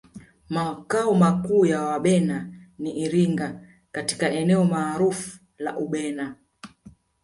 Makao makuu ya Wabena ni Iringa katika eneo maarufu la Ubena